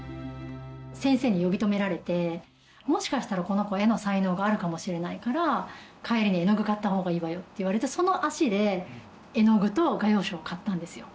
先生に呼び止められて、もしかしたら、この子、絵の才能があるかもしれないから、帰りに絵の具買ったほうがいいわよって言われて、その足で絵の具と画用紙を買ったんですよ。